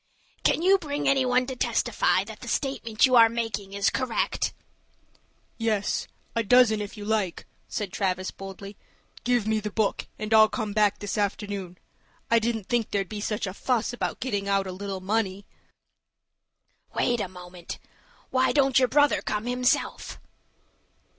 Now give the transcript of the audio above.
"Can you bring any one to testify that the statement you are making is correct?" "Yes, a dozen if you like," said Travis, boldly. "Give me the book, and I'll come back this afternoon. I didn't think there'd be such a fuss about getting out a little money." "Wait a moment. Why don't your brother come himself?"